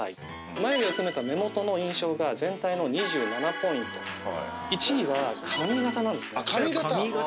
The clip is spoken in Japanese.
眉毛を含めた目元の印象が全体の２７ポイント１位は髪型なんですねあっ髪型？